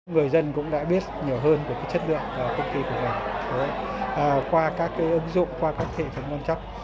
người dân cũng đã biết nhiều hơn về chất lượng của công ty của mình qua các ứng dụng qua các hệ thống quan trọng